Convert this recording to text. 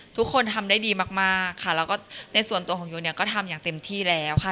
ทุกคนทำได้ดีมากค่ะแล้วก็ในส่วนตัวของโยเนี่ยก็ทำอย่างเต็มที่แล้วค่ะ